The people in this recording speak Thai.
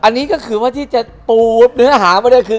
อันนี้ก็คือว่าที่จะปูเนื้อหามาได้คือ